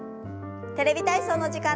「テレビ体操」の時間です。